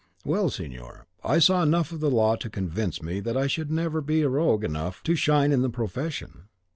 Well, signor, I saw enough of the law to convince me that I should never be rogue enough to shine in the profession.